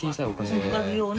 うんおかず用ね。